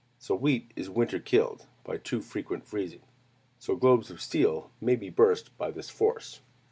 So wheat is "winter killed," by too frequent freezing. So globes of steel may be burst by this force.